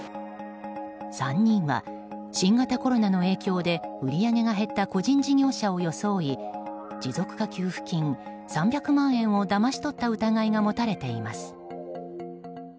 ３人は新型コロナの影響で売り上げが減った個人事業者を装い持続化給付金３００万円をだまし取った疑いが持たれています。